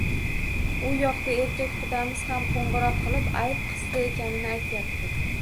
U yoqda erkak qudamiz ham qo`ng`iroq qilib, ayb qizida ekanini aytayapti